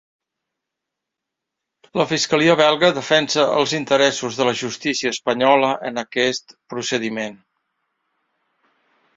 La fiscalia belga defensa els interessos de la justícia espanyola en aquest procediment.